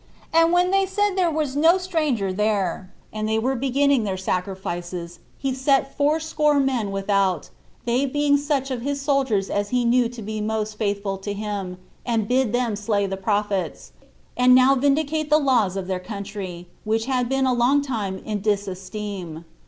And when they said that there was no stranger there, and they were beginning their sacrifices, he set fourscore men without, they being such of his soldiers as he knew to be most faithful to him, and bid them slay the prophets, and now vindicate the laws of their country, which had been a long time in disesteem.